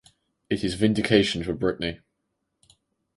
It is vindication for Britney.